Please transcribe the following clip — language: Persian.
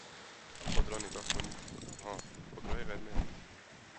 به آن خودروها نگاه کنید. کدامها؟ خودروهای قرمز.